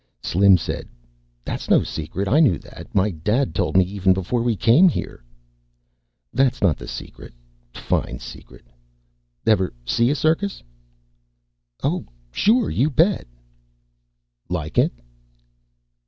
Slim said, "That's no secret. I knew that. My Dad told me even before we came here " "That's not the secret. Fine secret! Ever see a circus?" "Oh, sure. You bet." "Like it?"